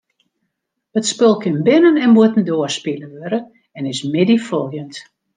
It spul kin binnen- en bûtendoar spile wurde en is middeifoljend.